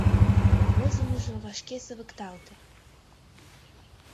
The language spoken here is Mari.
Возымыжо вашке савыкталте...